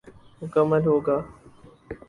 مکمل ہو گا۔